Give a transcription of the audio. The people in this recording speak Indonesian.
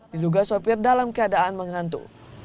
diduga sopir dalam keadaan menghantu